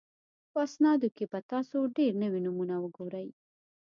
په اسنادو کې به تاسو ډېر نوي نومونه وګورئ